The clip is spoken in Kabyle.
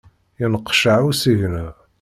Yenqeccaε usigna.